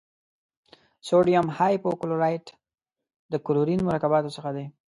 سوډیم هایپو کلورایټ د کلورین مرکباتو څخه دی.